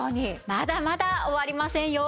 まだまだ終わりませんよ。